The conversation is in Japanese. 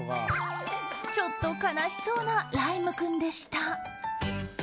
ちょっと悲しそうなライム君でした。